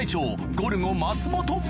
ゴルゴ松本